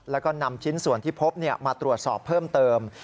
แล้วก็นำชิ้นส่วนที่พบมาตรวจสอบเพิ่มเติม